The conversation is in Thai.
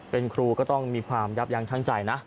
เป็นครูก็ต้องมีความยับยั้งช่างใจนะ